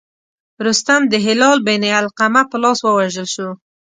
رستم د هلال بن علقمه په لاس ووژل شو.